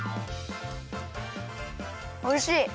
おいしい！